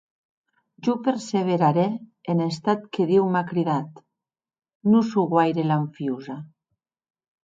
Jo perseverarè en estat que Diu m’a cridat; non sò guaire lanfiosa.